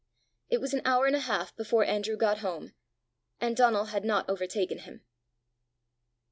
It was an hour and a half before Andrew got home, and Donal had not overtaken him.